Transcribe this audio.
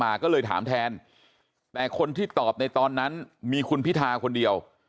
มาก็เลยถามแทนแต่คนที่ตอบในตอนนั้นมีคุณพิทาคนเดียว